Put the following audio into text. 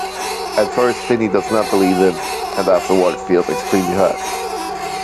At first Finny does not believe him and afterward feels extremely hurt.